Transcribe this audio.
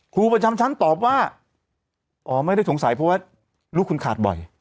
ครูประจำชั้นตอบว่าอ๋อไม่ได้สงสัยเพราะว่าลูกคุณขาดบ่อย